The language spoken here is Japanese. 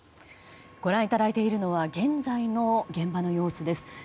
ご覧いただいているのは現在の現場の様子です。